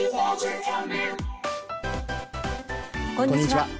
こんにちは。